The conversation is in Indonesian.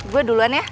gue duluan ya